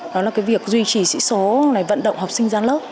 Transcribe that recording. đó là cái việc duy trì sĩ số vận động học sinh gian lớp